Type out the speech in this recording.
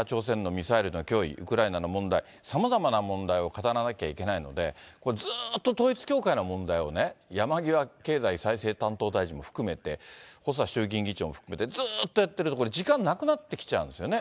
物価高、それから北朝鮮のミサイルの脅威、ウクライナの問題、さまざまな問題を語らなきゃいけないので、ずっと統一教会の問題をね、山際経済再生担当大臣も含めて、細田衆議院議長も含めて、ずっとやってると、これ、時間なくなってきちゃうんですよね。